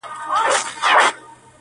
• په اوږد مزله کي به دي پر لار سم -